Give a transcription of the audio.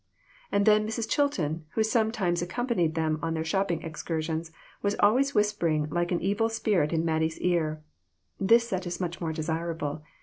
And then Mrs. Chilton, who sometimes accom panied them on their shopping excursions, was always whispering like an evil spirit in Mattie's ear "This set is much more desirable.